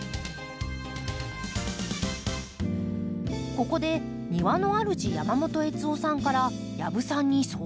ここで庭のあるじ山本悦雄さんから養父さんに相談が。